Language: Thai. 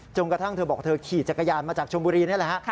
กระทั่งเธอบอกเธอขี่จักรยานมาจากชมบุรีนี่แหละฮะ